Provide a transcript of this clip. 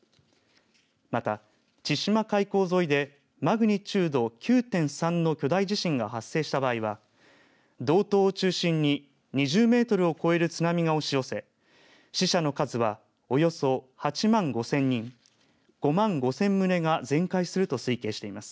また、千島海溝沿いでマグニチュード９．３の巨大地震が発生した場合は道東を中心に２０メートルを超える津波が押し寄せ死者の数はおよそ８万５０００人５万５０００棟が全壊すると推計しています。